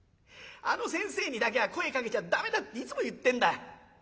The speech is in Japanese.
あの先生にだけは声かけちゃ駄目だっていつも言ってんだ。